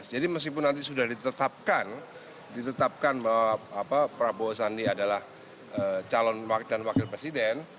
jadi meskipun nanti sudah ditetapkan ditetapkan prabowo sandiaga adalah calon dan wakil presiden